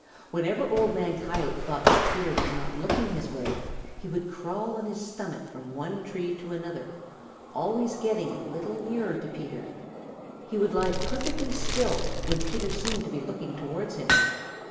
Whenever Old Man Coyote thought that Peter was not looking his way, he would crawl on his stomach from one tree to another, always getting a little nearer to Peter. He would lie perfectly still when Peter seemed to be looking towards him.